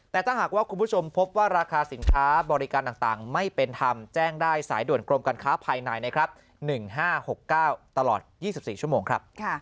แต่ถ้าหากว่าคุณผู้ชมพบว่าราคาสินค้าบริการต่างไม่เป็นธรรมแจ้งได้สายด่วนกรมการค้าภายในนะครับ๑๕๖๙ตลอด๒๔ชั่วโมงครับ